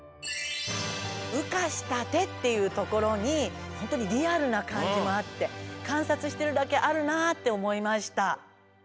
うかしたてっていうところにホントにリアルなかんじもあってかんさつしてるだけあるなっておもいました。